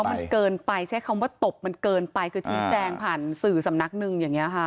มันเกินไปใช้คำว่าตบมันเกินไปคือชี้แจงผ่านสื่อสำนักหนึ่งอย่างนี้ค่ะ